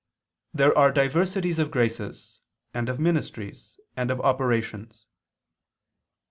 "there are diversities of graces ... and ... of ministries ... and ... of operations."